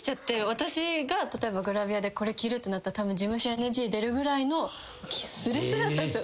私が例えばグラビアでこれ着るってなったらたぶん事務所ＮＧ出るぐらいのすれすれだったんですよ